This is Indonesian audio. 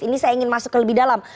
ini saya ingin masuk ke lebih dalam